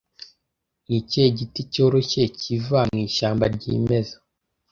Ni ikihe giti cyoroshye kiva mu ishyamba ryimeza